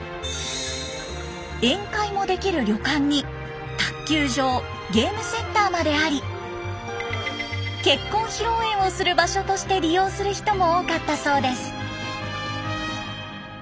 宴会もできる旅館に卓球場ゲームセンターまであり結婚披露宴をする場所として利用する人も多かったそうです。